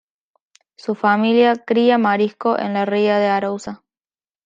Su familia cría marisco en la Ría de Arousa.